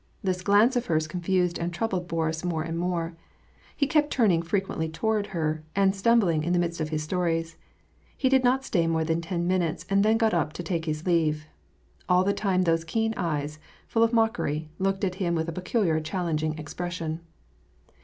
This glance of hers confused and troubled Boris more and more. He kept turning frequently toward her, and stumbling in the midst of his stones. He did not stay more than ten minutes, and then got up to take his leave. AH the time those keen eyes, full of mockery, looked at him with a peculiar challen ging expression.